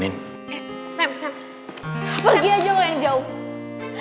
eh sam sam pergi aja mau jauh